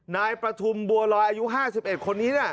นายประทุมบัวลอยอายุ๕๑คนนี้